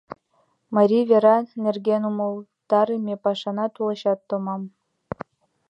Марий вера нерген умылтарыме пашана тулечат томам.